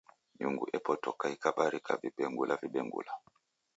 Nyungu epotoka ikabarika vibengula vibengula.